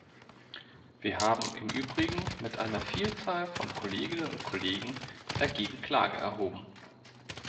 Wir haben im übrigen mit einer Vielzahl von Kolleginnen und Kollegen dagegen Klage erhoben.